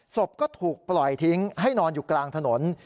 ศพก็ถูกปล่อยทิ้งให้นอนอยู่กลางถนน